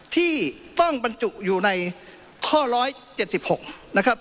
ที่ต้องบรรจุอยู่ในข้อ๑๗๖นะครับ